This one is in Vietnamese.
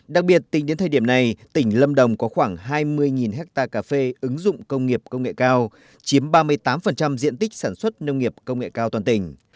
đặc biệt tính đến thời điểm này tỉnh lâm đồng có khoảng hai mươi hectare cà phê ứng dụng công nghiệp công nghệ cao chiếm ba mươi tám diện tích sản xuất nông nghiệp công nghệ cao toàn tỉnh